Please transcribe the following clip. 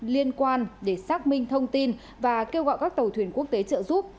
liên quan để xác minh thông tin và kêu gọi các tàu thuyền quốc tế trợ giúp